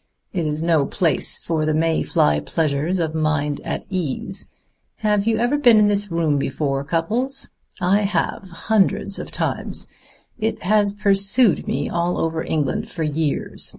It is no place for the May fly pleasures of a mind at ease. Have you ever been in this room before, Cupples? I have, hundreds of times. It has pursued me all over England for years.